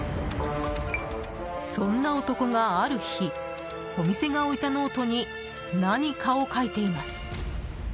そんな男が、ある日お店が置いたノートに何かを書いています。